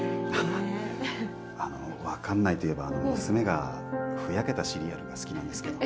あのわからないといえば娘がふやけたシリアルが好きなんですけど。